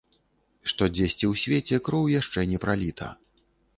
Што дзесьці ў свеце кроў шчэ не праліта.